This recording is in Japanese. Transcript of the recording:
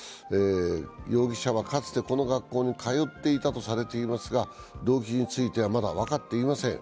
容疑者はかつて、この学校に通っていたとされていますが動機については、まだ分かっていません。